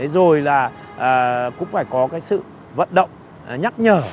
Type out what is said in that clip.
rồi là cũng phải có cái sự vận động nhắc nhở